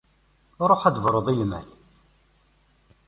Ruḥ ad d-tebruḍ i lmal.